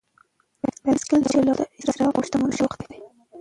بایسکل چلول د اشرافو او شتمنو شوق و.